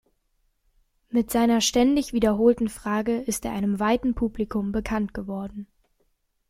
Mit seiner ständig wiederholten Frage ist er einem weiten Publikum bekannt geworden.